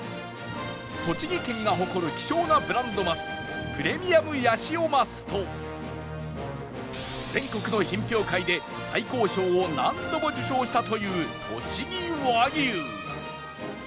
栃木県が誇る希少なブランドマスプレミアムヤシオマスと全国の品評会で最高賞を何度も受賞したというとちぎ和牛